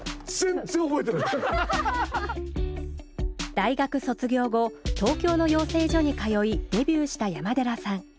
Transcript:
大学卒業後東京の養成所に通いデビューした山寺さん。